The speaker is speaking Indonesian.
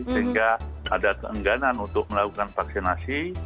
sehingga ada keengganan untuk melakukan vaksinasi